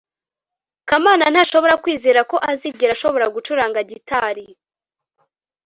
kamana ntashobora kwizera ko azigera ashobora gucuranga gitari